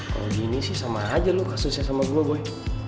kalo gini sih sama aja lo ga susah sama gue boy